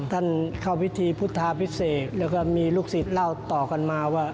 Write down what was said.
ท่านเข้าพิธีพุทธาพิเศษแล้วก็มีลูกศิษย์เล่าต่อกันมาว่า